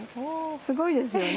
すごいですよね。